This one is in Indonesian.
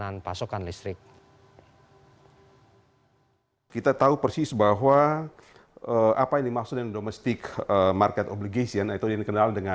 dan pasokan listrik